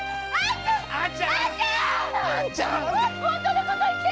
本当のことを言って！